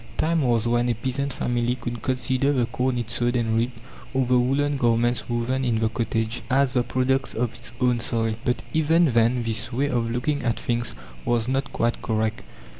Time was when a peasant family could consider the corn it sowed and reaped, or the woolen garments woven in the cottage, as the products of its own soil. But even then this way of looking at things was not quite correct.